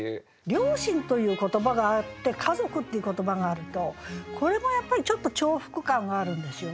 「両親」という言葉があって「家族」っていう言葉があるとこれもやっぱりちょっと重複感があるんですよね。